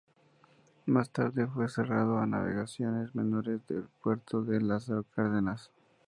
Más tarde, fue cerrado a navegaciones menores el puerto de Lázaro Cárdenas.